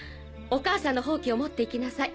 お母さんのホウキを持って行きなさい。